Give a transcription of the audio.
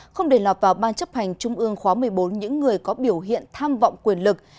không để lọt vào ban chấp hành trung ương khóa một mươi bốn những người có biểu hiện tham vọng quyền lực